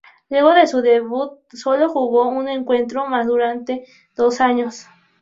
Luego de su debut solo jugó un encuentro más durante dos años.